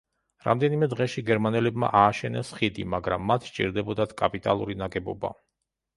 რამდენიმე დღეში გერმანელებმა ააშენეს ხიდი, მაგრამ მათ სჭირდებოდათ კაპიტალური ნაგებობა.